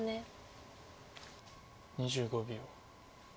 ２５秒。